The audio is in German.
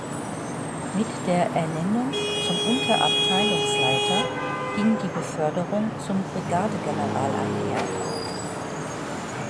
Mit der Ernennung zum Unterabteilungsleiter ging die Beförderung zum Brigadegeneral einher.